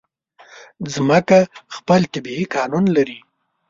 مځکه خپل طبیعي قانون لري.